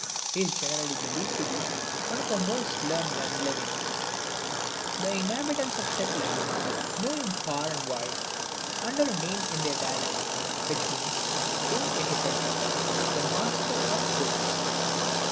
He is generally believed to be one of the most learned men living. The inhabitants of Shetland know him far and wide, under a name in their dialect which means, being interpreted, "The Master of Books."